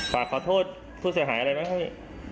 ฝากขอโทษพูดใส่หายอะไรมาให้